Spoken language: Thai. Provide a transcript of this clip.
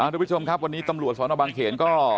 ทุกผู้ชมครับวันนี้ตำรวจสนบางเขนก็